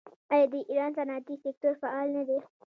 آیا د ایران صنعتي سکتور فعال نه دی؟